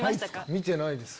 見てないです。